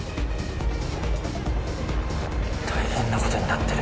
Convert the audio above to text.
大変なことになってる。